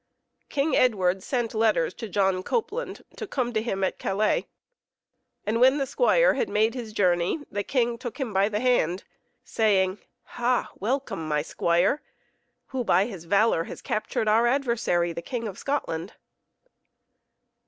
King Edward Sent letters to John Copeland to come to him at Calais, and when the squire had made his journey, the king took him by the hand saying, "Ha! welcome, my squire, who by his valor has captured our adversary the King of Scotland."